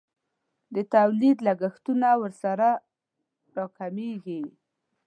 د تولید لګښتونه ورسره راکمیږي.